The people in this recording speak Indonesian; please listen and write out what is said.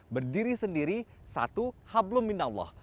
berdiri sendiri satu hablumin allah